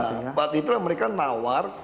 nah pada saat itu mereka nawar